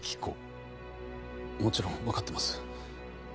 もちろん分かってます。